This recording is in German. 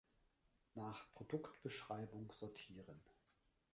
Nach Produktbeschreibung sortieren.